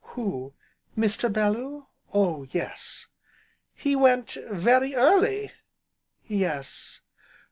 "Who Mr. Bellew? Oh yes!" "He went very early!" "Yes."